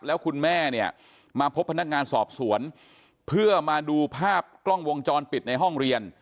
แล้วคุณแม่เนี่ยมาพบพนักงานสอบสวนเพื่อมาดูภาพกล้องวงจรปิดในห้องเรียน